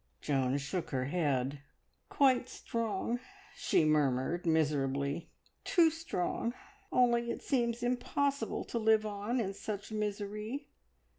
Joan shook her head. "Quite strong," she murmured miserably; "too strong. Only it seems impossible to live on in such misery.